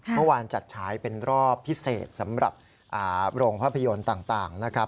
เมื่อวานจัดฉายเป็นรอบพิเศษสำหรับโรงภาพยนตร์ต่างนะครับ